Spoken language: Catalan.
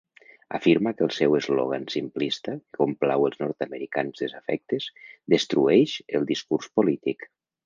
Afirma que el seu eslògan simplista que complau els nord-americans desafectes destrueix el discurs polític.